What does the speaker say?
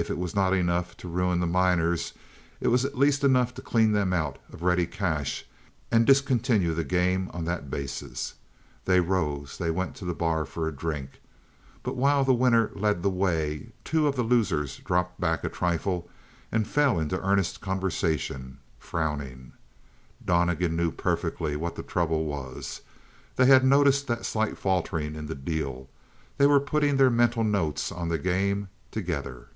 If it was not enough to ruin the miners it was at least enough to clean them out of ready cash and discontinue the game on that basis. They rose; they went to the bar for a drink; but while the winner led the way, two of the losers dropped back a trifle and fell into earnest conversation, frowning. Donnegan knew perfectly what the trouble was. They had noticed that slight faltering in the deal; they were putting their mental notes on the game together.